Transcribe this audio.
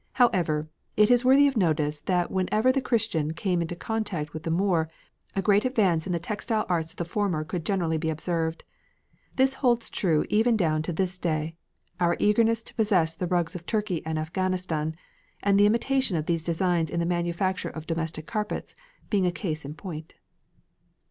However, it is worthy of notice that whenever the Christian came in contact with the Moor, a great advance in the textile arts of the former could generally be observed. This holds true even down to this day, our eagerness to possess the rugs of Turkey and Afghanistan, and the imitation of these designs in the manufacture of domestic carpets, being a case in point.